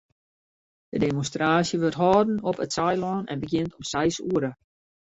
De demonstraasje wurdt hâlden op it Saailân en begjint om seis oere.